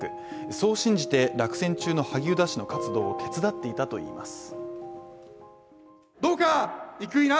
そう信じて落選中の萩生田氏の活動を手伝っていたといいます。